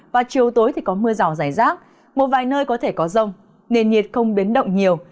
và chiều tối thì có mưa rào rải rác một vài nơi có thể có rông nền nhiệt không biến động nhiều